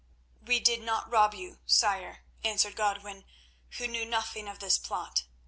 "We did not rob you, sire," answered Godwin, "who knew nothing of this plot.